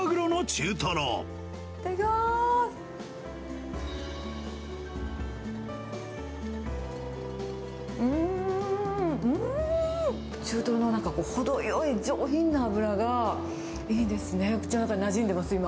中トロのなんか、程よい上品な脂がいいですね、口の中でなじんでます、今。